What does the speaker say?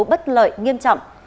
bất lợi nghiêm trọng